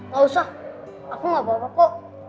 gak usah aku gak bawa bawa kok